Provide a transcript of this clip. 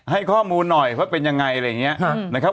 ให้ข้อมูลหน่อยว่าเป็นยังไงอะไรอย่างนี้นะครับ